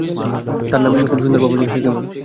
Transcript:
তার নাম তো খুব সুন্দর পাপা সে ছিল কেমন?